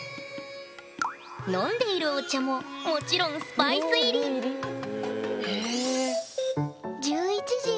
飲んでいるお茶ももちろんスパイス入りクローブ入り。